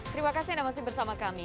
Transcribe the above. terima kasih anda masih bersama kami